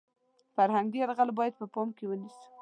فرهنګي یرغل باید په پام کې ونیسو .